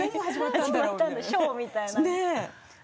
ショーみたい。